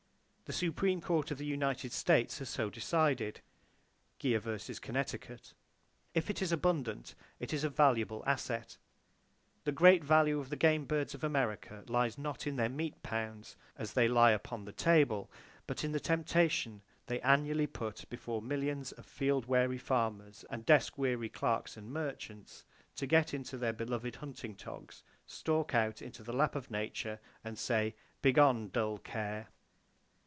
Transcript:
The Supreme Court of the United States has so decided. (Geer vs. Connecticut). If it is abundant, it is a valuable asset. The great value of the game birds of America lies not in their meat pounds as they lie upon [Page 4] the table, but in the temptation they annually put before millions of field weary farmers and desk weary clerks and merchants to get into their beloved hunting togs, stalk out into the lap of Nature, and say "Begone, dull Care!"